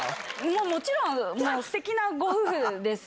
もちろん、すてきなご夫婦です。